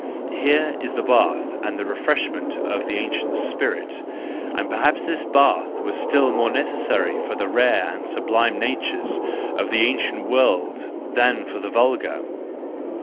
Here is the bath and the refreshment of the ancient spirit: — and perhaps this bath was still more necessary for the rare and sublime natures of the ancient world than for the vulgar.